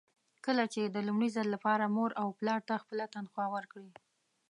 کله چې د لومړي ځل لپاره مور او پلار ته خپله تنخوا ورکړئ.